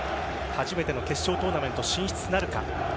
初めての決勝トーナメント進出なるか。